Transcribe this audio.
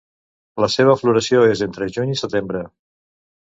La seva floració és entre juny i setembre.